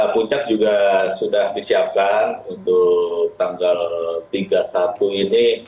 puncak juga sudah disiapkan untuk tanggal tiga puluh satu ini